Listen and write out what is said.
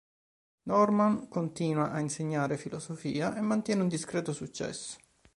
Norman continua a insegnare filosofia e mantiene un discreto successo.